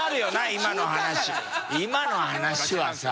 今の話はさ。